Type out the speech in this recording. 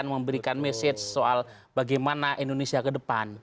dan memberikan message soal bagaimana indonesia ke depan